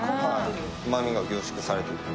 うまみが凝縮されている。